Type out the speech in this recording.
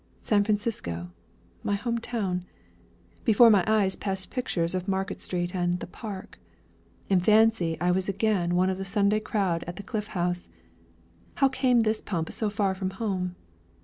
San Francisco! my home town! Before my eyes passed pictures of Market Street and the 'Park.' In fancy I was again one of the Sunday crowd at the Cliff House. How came this pump so far from home?